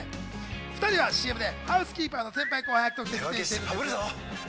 ２人はＣＭでハウスキーパーの先輩、後輩役として出演しています。